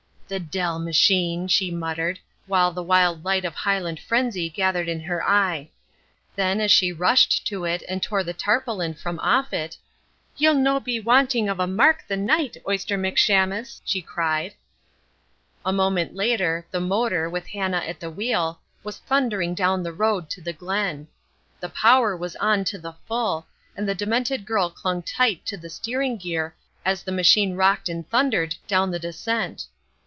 "The deil machine!" she muttered, while the wild light of Highland frenzy gathered in her eye; then, as she rushed to it and tore the tarpaulin from off it, "Ye'll no be wanting of a mark the night, Oyster McShamus," she cried. A moment later, the motor, with Hannah at the wheel, was thundering down the road to the Glen. The power was on to the full, and the demented girl clung tight to the steering gear as the machine rocked and thundered down the descent.